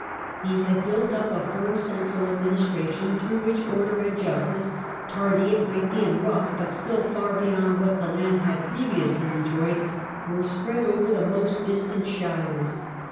He had built up a firm central ad ministration, through which order and justice— tardy it might be and rough, but still far beyond what the land had previously enjoyed — were spread over the most distant shires.